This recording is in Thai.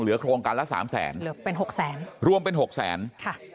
เหลือโครงการละ๓๐๐๐๐๐บาทเป็น๖๐๐๐๐๐บาทรวมเป็น๖๐๐๐๐๐บาท